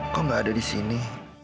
kok gak ada di sini